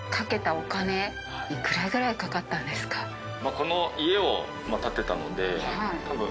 この家を建てたのでたぶん。